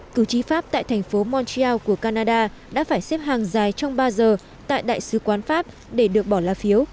cử tri pháp tại thành phố montreal của canada đã phải xếp hàng dài trong ba giờ tại đại sứ quán pháp để được bỏ la phiếu